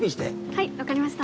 はい分かりました。